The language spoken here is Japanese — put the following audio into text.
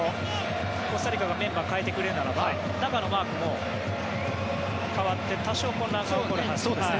コスタリカがメンバーを代えてくれるならば中のマークも変わって多少、混乱が起こるはずです。